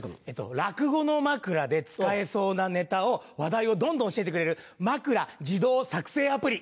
落語の枕で使えそうなネタを話題をどんどん教えてくれる枕自動作成アプリ。